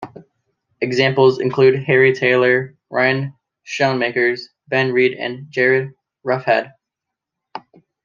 Examples include Harry Taylor, Ryan Schoenmakers, Ben Reid and Jarryd Roughead.